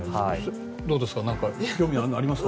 どうですか興味あるものありますか？